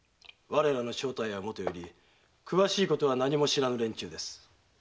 我らの正体も詳しいことも何も知らぬ連中です。